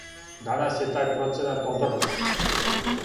Данас је тај проценат обрнут.